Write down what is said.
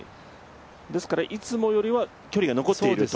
ですからいつもよりは距離が残っていると。